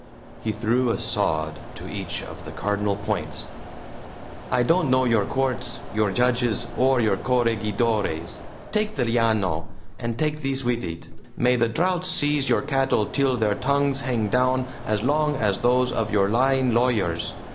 He threw a sod to each of the cardinal points. "I don't know your courts, your judges, or your CORREGIDORES. Take the LLANO! and take this with it. May the drought seize your cattle till their tongues hang down as long as those of your lying lawyers!